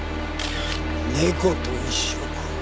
猫と一緒か。